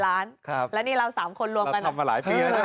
๖๗ล้านแล้วนี่เรา๓คนรวมกันนะ